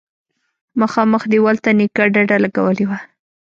مخامخ دېوال ته نيکه ډډه لگولې وه.